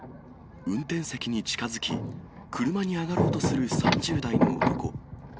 運転席に近づき、車に上がろうとする３０代の男。